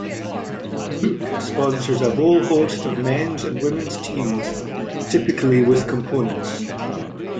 Look sponsors a whole host of men's and women's teams typically with components.